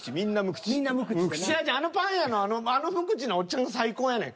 あのパン屋のあの無口なおっちゃんが最高やねん。